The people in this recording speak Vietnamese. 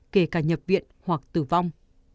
kể cả nhập viện hoặc tử vong